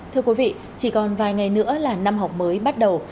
thưa quý vị chỉ còn vài ngày nữa là năm học mới bắt đầu